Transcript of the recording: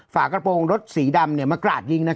ฝากระโปรงรถสีดำมากราดยิง